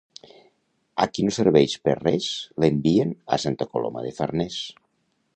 A qui no serveix per res, l'envien a Santa Coloma de Farners.